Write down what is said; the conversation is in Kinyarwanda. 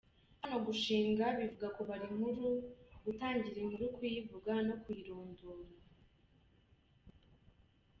Hano gushinga bivuga kubara inkuru, gutangira inkuru kuyivuga no kuyirondora.